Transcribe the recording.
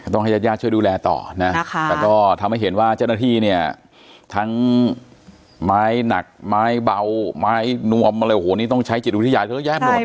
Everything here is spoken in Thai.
ต้องให้ญาติช่วยดูแลต่อแต่ก็ทำให้เห็นว่าเจ้าหน้าที่ทั้งไม้หนักไม้เบาไม้นวมต้องใช้จิตอุทิศยายเท่าไหร่